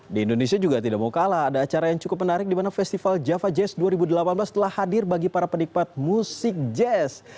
di indonesia juga tidak mau kalah ada acara yang cukup menarik di mana festival java jazz dua ribu delapan belas telah hadir bagi para penikmat musik jazz